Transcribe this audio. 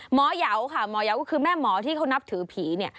เหยาค่ะหมอยาวก็คือแม่หมอที่เขานับถือผีเนี่ย